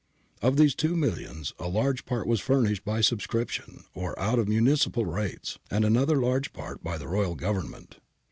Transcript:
Of these two millions a large part was furnished by subscription or out of municipal rates, and another large part by the Royal Government {Luzio, Giorn.d'It.